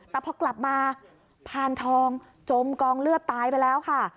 แต่พอกลับมาพานทองจมกองเลือดตายไปแล้วค่ะ